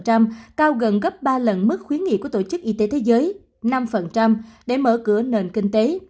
tổ chức y tế thế giới đã ghi nhận mức khuyến nghị của tổ chức y tế thế giới năm để mở cửa nền kinh tế